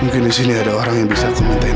mungkin disini ada orang yang bisa aku minta tolong